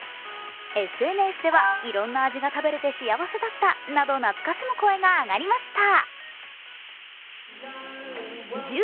ＳＮＳでは、いろんな味が食べれて幸せだったなど懐かしむ声が上がりました。